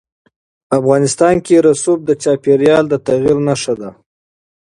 افغانستان کې رسوب د چاپېریال د تغیر نښه ده.